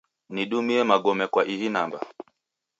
Nidumie magome kwa ihi namba.